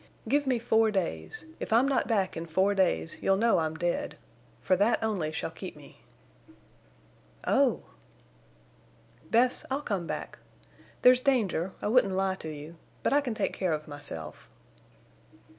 "Give me four days. If I'm not back in four days you'll know I'm dead. For that only shall keep me." "Oh!" "Bess, I'll come back. There's danger—I wouldn't lie to you—but I can take care of myself."